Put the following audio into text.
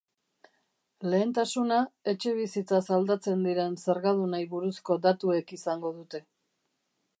Lehentasuna etxebizitzaz aldatzen diren zergadunei buruzko datuek izango dute.